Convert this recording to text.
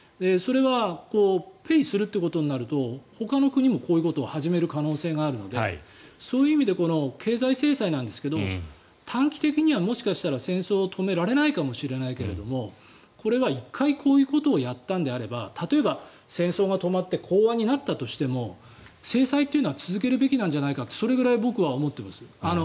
それはペイするということになるとほかの国もこういうことを始める可能性があるのでそういう意味で経済制裁なんですけど短期的にはもしかしたら戦争を止められないかもしれないけれどもこれは１回こういうことをやったのであれば例えば、戦争が止まって講和になったとしても制裁は続けるべきではないかとそれぐらい僕は思っています。